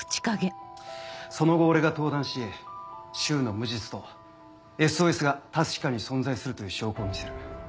その後俺が登壇し柊の無実と「ＳＯＳ」が確かに存在するという証拠を見せる。